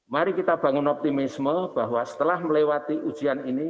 mari kita bangun optimisme bahwa setelah melewati ujian ini